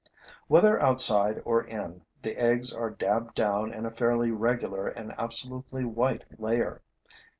Whether outside or in, the eggs are dabbed down in a fairly regular and absolutely white layer.